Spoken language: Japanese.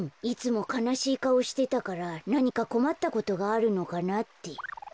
いつもかなしいかおしてたからなにかこまったことがあるのかなって。